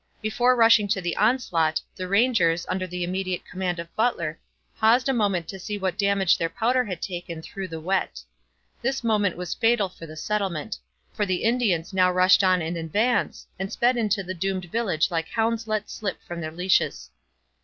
Before rushing to the onslaught, the Rangers, under the immediate command of Butler, paused a moment to see what damage their powder had taken through the wet. This moment was fatal for the settlement, for the Indians now rushed on in advance and sped into the doomed village like hounds let slip from their leashes.